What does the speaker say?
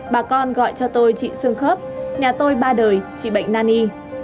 bà con gọi cho tôi chị sương khớp nhà tôi ba đời chị bệnh nani